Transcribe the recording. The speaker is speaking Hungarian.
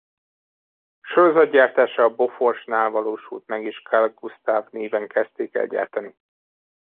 Sorozatgyártása a Bofors-nál valósult meg és Carl Gustaf néven kezdték el gyártani.